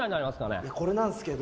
これなんですけど。